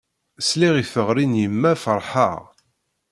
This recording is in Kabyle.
Sliɣ i teɣri n yemma ferḥeɣ.